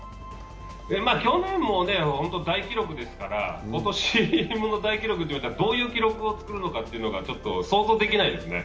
去年も大記録ですから、今年も大記録というたら、どういう記録を作るのかというのはちょっと想像できないですね。